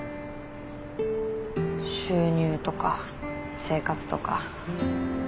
収入とか生活とか。